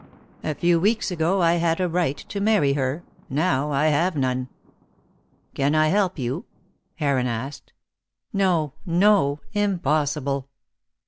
A few weeks ago I had a right to marry her, now I have none." "Can I help you?" Heron asked. "No, no. Impossible!"